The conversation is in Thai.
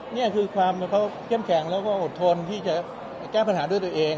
นี่คือความเขาเข้มแข็งแล้วก็อดทนที่จะแก้ปัญหาด้วยตัวเอง